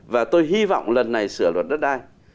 và tôi hy vọng lần này sửa luật đất đai